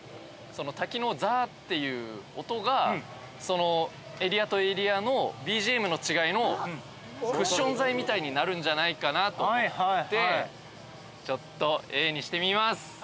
滝のザーッていう音がエリアとエリアのＢＧＭの違いのクッション材みたいになるんじゃないかなと思ってちょっとＡにしてみます。